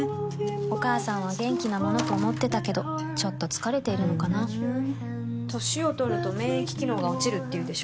お母さんは元気なものと思ってたけどふうん歳を取ると免疫機能が落ちるっていうでしょ